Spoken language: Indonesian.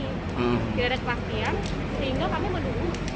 tidak ada kepastian sehingga kami menunggu